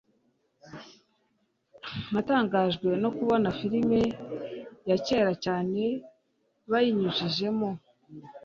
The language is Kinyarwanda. Natangajwe no kubona filime ya kera cyane bayinyujijemo